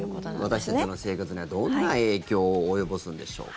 私たちの生活にはどんな影響を及ぼすんでしょうか。